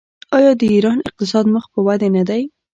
آیا د ایران اقتصاد مخ په وده نه دی؟